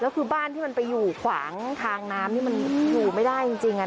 แล้วคือบ้านที่มันไปอยู่ขวางทางน้ำนี่มันอยู่ไม่ได้จริง